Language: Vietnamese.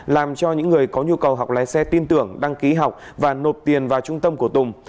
làm cho những người có nhu cầu học lái xe tin tưởng đăng ký học và nộp tiền vào trung tâm của tùng